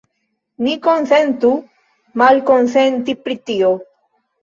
Ni konsentu malkonsenti pri tio.